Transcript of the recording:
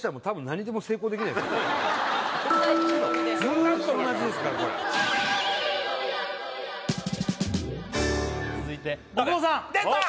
ずーっと同じですからこれ続いて大久保さんでた！